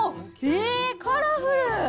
えっ！カラフル。